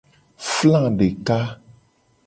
Fla deka.